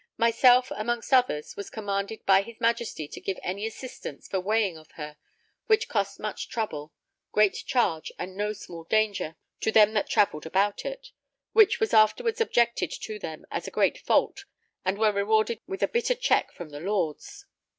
Myself, amongst others, was commanded by his Majesty to give my assistance for weighing of her, which cost much trouble, great charge and no small danger to them that travelled about it; which was afterwards objected to them as a great fault, and were rewarded with a bitter check from the Lords.